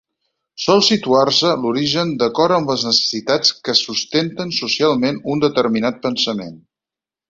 Sol situar-se l'origen d'acord amb les necessitats que sustenten socialment un determinat pensament.